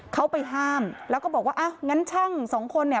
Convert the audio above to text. เขาไปห้ามแล้วก็บอกว่างั้นช่าง๒คนนี่